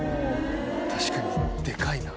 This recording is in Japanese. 確かにでかいな。